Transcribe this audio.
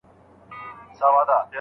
لوستې مور د کور کثافات سم ځای ته وړي.